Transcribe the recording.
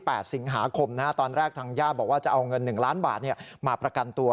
ที่๘สิงหาคมตอนแรกทางย่าบอกว่าจะเอาเงิน๑ล้านบาทมาประกันตัว